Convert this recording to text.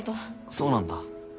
そうなんだ。